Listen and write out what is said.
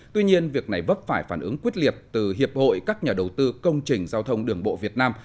tuy nhiên việc này vấp phải phản ứng quyết liệt từ hiệp hội các nhà đầu tư công trình giao thông đường bộ việt nam